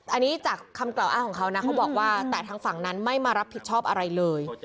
อันนี้จากคำกล่าวอ้างของเขานะเขาบอกว่าแต่ทางฝั่งนั้นไม่มารับผิดชอบอะไรเลย